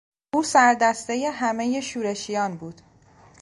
او سردستهی همهی شورشیان بود.